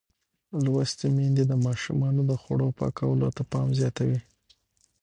لوستې میندې د ماشومانو د خوړو پاکولو ته پام زیاتوي.